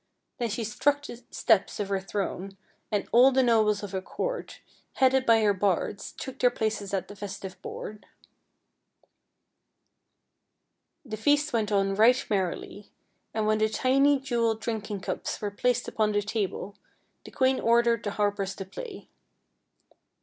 Then she struck the steps of her throne, and all the nobles of her court, headed by her bards, took their places at the festive board. The feast went on right merrily, and when the tiny jeweled drinking cups were placed upon the table, the queen ordered the harpers to play.